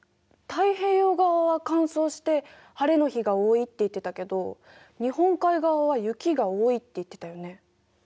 太平洋側は乾燥して晴れの日が多いって言ってたけど日本海側は雪が多いって言ってたよね。